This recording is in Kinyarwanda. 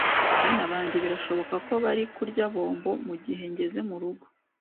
Bana banjye birashoboka ko bari kurya bombo mugihe ngeze murugo